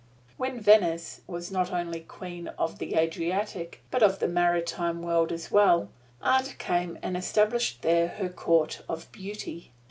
When Venice was not only Queen of the Adriatic but of the maritime world as well, Art came and established there her Court of Beauty.